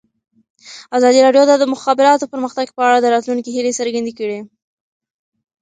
ازادي راډیو د د مخابراتو پرمختګ په اړه د راتلونکي هیلې څرګندې کړې.